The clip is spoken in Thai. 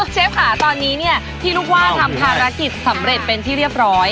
เชฟตอนนี้ลูกว่านทำคารากิจสำเร็จเป็นที่เรียบร้อย